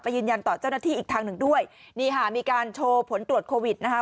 ยืนยันต่อเจ้าหน้าที่อีกทางหนึ่งด้วยนี่ค่ะมีการโชว์ผลตรวจโควิดนะคะ